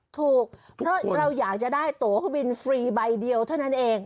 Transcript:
ถูกเราอยากจะได้ตัวบินฟรีใบเดียวเท่านั้นเอง